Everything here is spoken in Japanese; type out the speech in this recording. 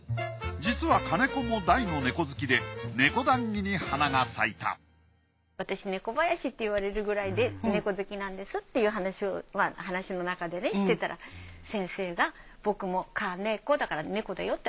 実は金子も大の猫好きで猫談義に花が咲いた私ネコバヤシって言われるくらい猫好きなんですっていう話を話の中でしてたら先生が僕もカネコだからネコだよって。